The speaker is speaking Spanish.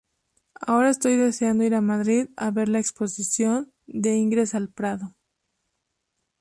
Ahora estoy deseando ir a Madrid a ver la exposición de Ingres al Prado""".